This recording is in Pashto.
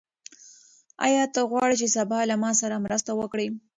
آیا ته غواړې چې سبا له ما سره مرسته وکړې؟